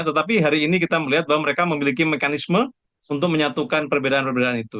tetapi hari ini kita melihat bahwa mereka memiliki mekanisme untuk menyatukan perbedaan perbedaan itu